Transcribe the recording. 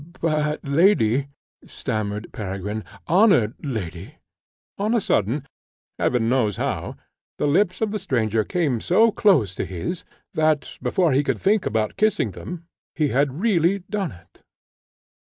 "But, lady," stammered Peregrine, "honoured lady " On a sudden, Heaven knows how, the lips of the stranger came so close to his, that, before he could think about kissing them, he had really done it.